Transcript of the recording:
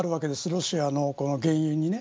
ロシアの原油にね。